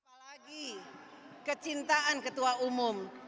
apalagi kecintaan ketua umum